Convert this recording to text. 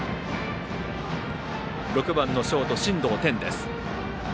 ６番のショート、進藤天。